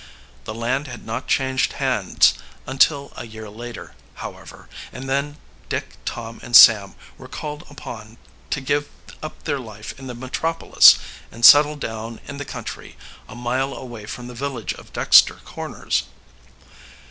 The land had not changed hands until a year later, however, and then Dick, Tom, and Sam were called upon to give up their life in the metropolis and settle down in the country, a mile away from the village of Dexter Corners.